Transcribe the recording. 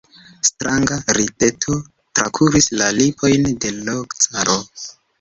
Stranga rideto trakuris la lipojn de l' caro.